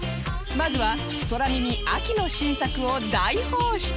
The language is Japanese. まずは空耳秋の新作を大放出